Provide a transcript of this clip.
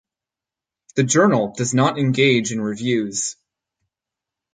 The journal does not engage in reviews.